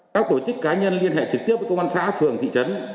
các tổ chức cá nhân liên hệ trực tiếp với công an xã phường thị trấn